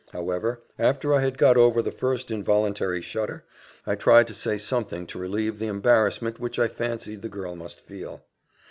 However, after I had got over the first involuntary shudder, I tried to say something to relieve the embarrassment which I fancied the girl must feel.